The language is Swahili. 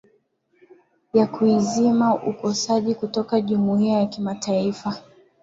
ya kuizima ukosoaji kutoka jumuiya ya kimataifa